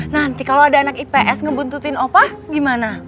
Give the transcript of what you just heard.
nanti kalau ada anak ips ngebuntutin opa gimana